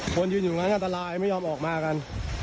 คนยืนอยู่อย่างนั้นอันตรายไม่ยอมออกมากัน